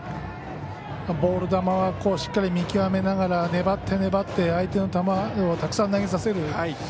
ボール球はしっかり見極めながら粘って粘って、相手の球をたくさん投げさせる。